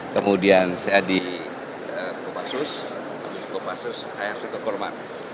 kemudian saya di kopassus ke kopassus saya harus ke koorma